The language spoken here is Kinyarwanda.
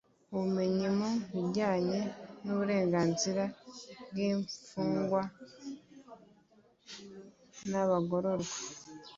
Ubumenyi mu bijyanye n uburenganzira bw imfungwa n abagororwa